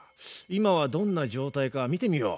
今はどんな状態か見てみよう。